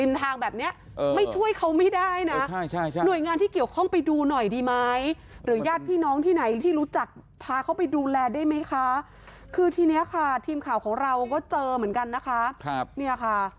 อุ๋นตีอุ๋นตีอุ๋นตีอุ๋นตีอุ๋นตีอุ๋นตีอุ๋นตีอุ๋นตีอุ๋นตีอุ๋นตีอุ๋นตีอุ๋นตีอุ๋นตีอุ๋นตี